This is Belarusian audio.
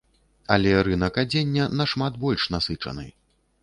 Але рынак адзення нашмат больш насычаны.